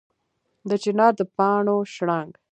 د چنار د پاڼو شرنګ